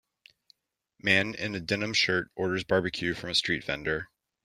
Man in a denim shirt orders barbecue from a street vendor.